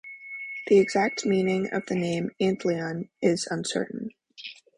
The exact meaning of the name "antlion" is uncertain.